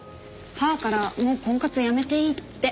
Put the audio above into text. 母からもう婚活やめていいって。